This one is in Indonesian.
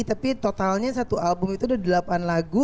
tapi totalnya satu album itu ada delapan lagu